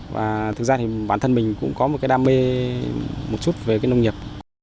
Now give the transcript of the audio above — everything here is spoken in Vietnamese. và thực ra thì bản thân mình cũng có một cái đam mê một chút về cái nông nghiệp